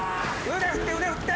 腕振って腕振って！